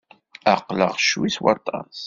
Aql-aɣ ccwi s waṭas.